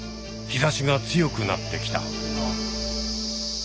日ざしが強くなってきた。